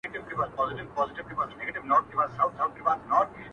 د جلادانو له تېغونو بیا د ګور تر کلي٫